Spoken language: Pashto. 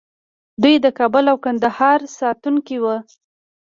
دوی د کابل او ګندهارا ساتونکي وو